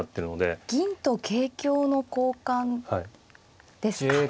銀と桂香の交換ですか。